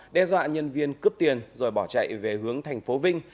đe dọa nhân viên cướp tiền rồi bỏ chạy về hướng thành phố vinh